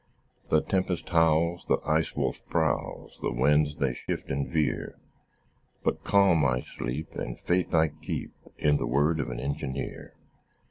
The tempest howls, The Ice Wolf prowls, The winds they shift and veer, But calm I sleep, And faith I keep In the word of an engineer.